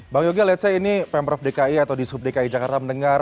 bang yogi lihat saya ini pemprov dki atau di sub dki jakarta mendengar